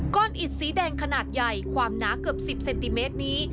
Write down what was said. อิดสีแดงขนาดใหญ่ความหนาเกือบ๑๐เซนติเมตรนี้